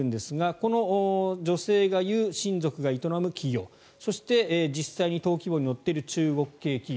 この女性が言う親族が営む企業そして、実際に登記簿に載っている中国系企業